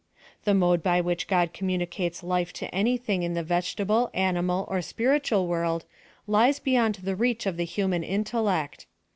— The mode by which God communicates life to any thing in the vegetable, animal, or spiritual world lies beyond the reach of the human intellect.